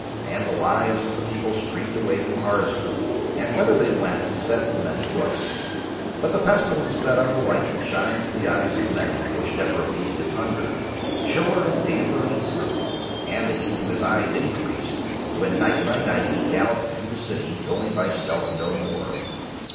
And the lives of the people streamed away from Harza, and whither they went is set in many books. But the Pestilence fed on the light that shines in the eyes of men, which never appeased his hunger; chiller and damper he grew, and the heat from his eyes increased when night by night he galloped through the city, going by stealth no more.